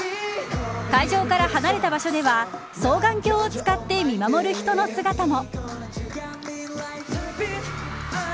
会場から離れた場所では双眼鏡を使って見守る人の姿も。